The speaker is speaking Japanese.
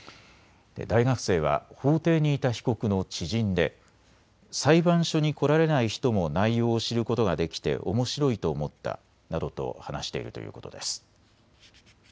大学生は法廷にいた被告の知人で裁判所に来られない人も内容を知ることができておもしろいと思ったなどと話しているということです。